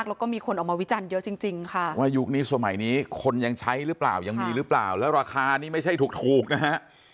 คนยังใช้หรือเปล่ายังมีหรือเปล่าแล้วราคานี้ไม่ใช่ถูกนะฮะ